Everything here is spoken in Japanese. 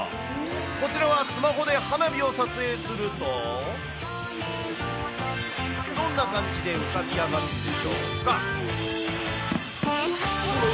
こちらはスマホで花火を撮影すると、どんな感じで浮かび上がるんでしょうか。